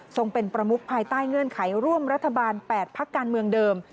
เป็นประมุขภายใต้เงื่อนไขร่วมรัฐบาล๘พักการเมืองเดิม